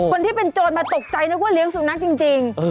คนที่เป็นโจรมาตกใจนึกว่าเลี้ยงสุนัขจริง